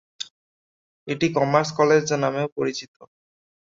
এটি "commerce college" নামেও পরিচিত।